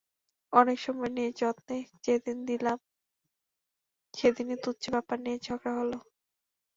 অনেক সময় নিয়ে যত্নে যেদিন দিলাম, সেদিনই তুচ্ছ ব্যাপার নিয়ে ঝগড়া হলো।